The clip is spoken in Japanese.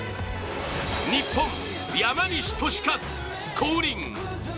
日本・山西利和、降臨。